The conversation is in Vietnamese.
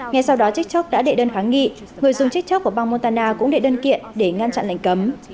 ngay sau đó tiktok đã đệ đơn kháng nghị người dùng tiktok của bang montana cũng đệ đơn kiện để ngăn chặn lệnh cấm